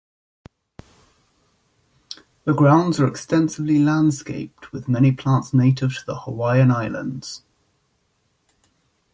The grounds are extensively landscaped, with many plants native to the Hawaiian Islands.